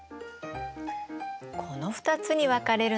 この２つに分かれるの。